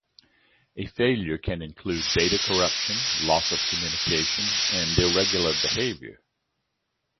A failure can include data corruption, loss of communication, and irregular behavior.